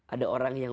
ada orang yang